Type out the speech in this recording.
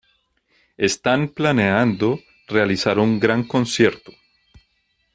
Están planeando realizar un gran concierto.